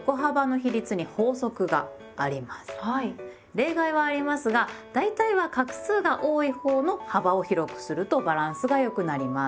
例外はありますが大体は画数が多いほうの幅を広くするとバランスが良くなります。